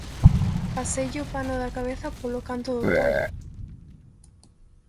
paseille o pano da cabeza polo canto do tallo;